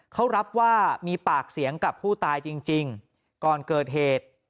เขารับว่ามีปากเสียงกับผู้ตายจริงก่อนเกิดเหตุ